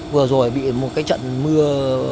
vừa rồi bị một cái trận mưa